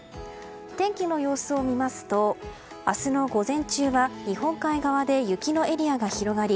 天気の様子を見ますと明日の午前中は日本海側で雪のエリアが広がり